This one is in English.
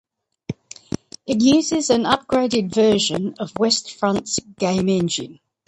It uses an upgraded version of "West Front"s game engine.